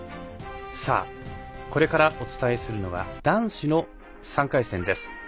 これからお伝えするのは男子の３回戦です。